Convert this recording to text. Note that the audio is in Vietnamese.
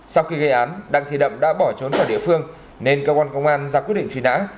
sau khi gây án đặng thị đậm đã bỏ trốn khỏi địa phương nên cơ quan công an ra quyết định truy nã